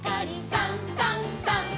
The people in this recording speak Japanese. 「さんさんさん」